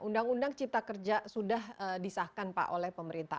undang undang cipta kerja sudah disahkan pak oleh pemerintah